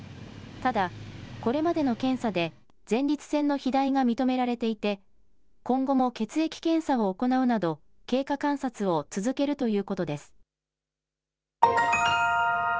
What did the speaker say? ただ、これまでの検査で前立腺の肥大が認められていて今後も血液検査を行うなど経過観察を続けるということです。